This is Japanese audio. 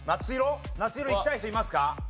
「夏色」いきたい人いますか？